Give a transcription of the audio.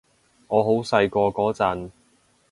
我好細個嗰陣